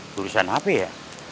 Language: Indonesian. jurusan hp ya